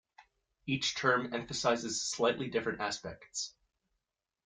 Each term emphasizes slightly different aspects.